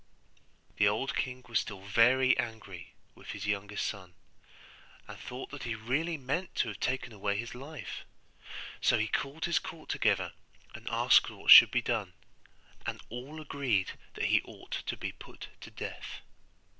The old king was still very angry with his youngest son, and thought that he really meant to have taken away his life; so he called his court together, and asked what should be done, and all agreed that he ought to be put to death.